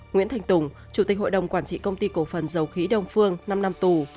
nguyễn thành tùng chủ tịch hội đồng quản trị công ty cổ phần dầu khí đông phương năm năm tù